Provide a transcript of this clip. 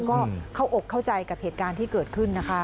ก็เข้าอกเข้าใจกับเหตุการณ์ที่เกิดขึ้นนะคะ